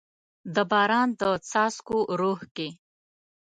د باران د څاڅکو روح کې